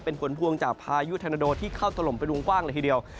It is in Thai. เป็นผลพวงจากพายุธนโดที่เข้าถล่มเป็นวงกว้างเลยทีเดียว